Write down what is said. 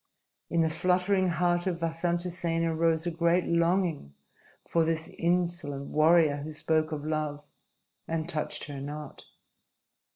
In the fluttering heart of Vasantasena rose a great longing for this insolent warrior who spoke of love and touched her not.